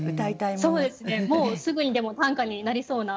もうすぐにでも短歌になりそうな。